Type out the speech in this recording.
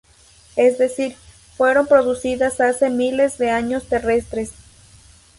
Es decir, fueron producidas hace miles de años terrestres.